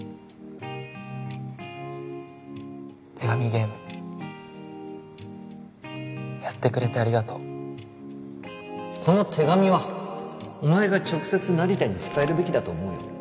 手紙ゲームやってくれてありがとうこの手紙はお前が直接成田に伝えるべきだと思うよ